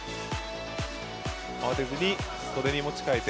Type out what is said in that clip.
慌てずに袖に持ち替えて。